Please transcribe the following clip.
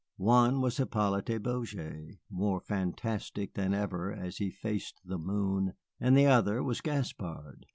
One was Hippolyte Beaujais, more fantastic than ever as he faced the moon, and the other was Gaspard.